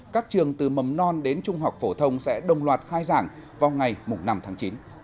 các trường từ mầm non đến trung học phổ thông sẽ đồng loạt khai giảng vào ngày năm tháng chín